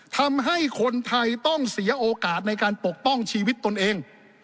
ทำให้คนไทยต้องเสียโอกาสในการปกป้องชีวิตตนเอง